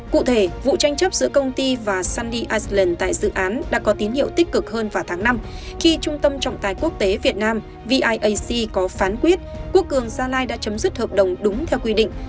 cụ thể vụ tranh chấp giữa công ty và sundy iceland tại dự án đã có tín hiệu tích cực hơn vào tháng năm khi trung tâm trọng tài quốc tế việt nam viac có phán quyết quốc cường gia lai đã chấm dứt hợp đồng đúng theo quy định